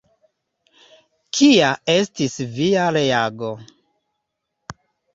Kia estis via reago?